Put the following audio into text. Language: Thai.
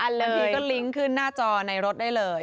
แล้วพี่ก็ลิงก์ขึ้นหน้าจอในรถได้เลย